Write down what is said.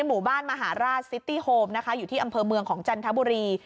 หมู่บ้านมหาราชซิตี้โฮมนะคะอยู่ที่อำเภอเมืองของจันทบุรี